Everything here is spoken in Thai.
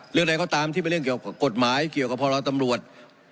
เรื่องใดก็ตามที่เป็นเรื่องเกี่ยวกับกฎหมายเกี่ยวกับพรตำรวจ